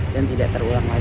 dan tidak terulang lagi